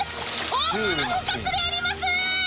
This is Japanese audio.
大物捕獲であります！